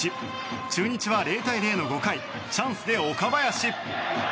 中日は０対０の５回チャンスで岡林。